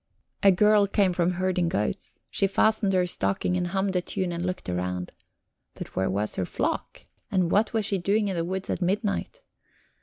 A girl came from herding goats; she fastened her stocking and hummed a tune and looked around. But where was her flock? And what was she doing in the woods at midnight?